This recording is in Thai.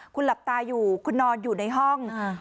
คุณหลับตาอยู่คุณนอนอยู่ในห้อง